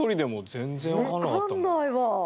分かんないわ。